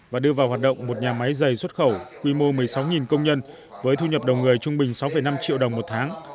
và đưa vào hoạt động một nhà máy dày xuất khẩu quy mô một mươi sáu công nhân với thu nhập đầu người trung bình sáu năm triệu đồng một tháng